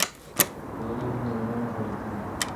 که علم وي نو رڼا نه ورکیږي.